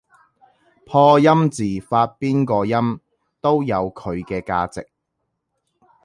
破音字發邊個音都有佢嘅價值